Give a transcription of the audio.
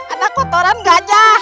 ada kotoran gajah